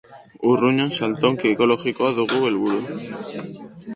Urruñan saltoki ekologikoa dugu helburu.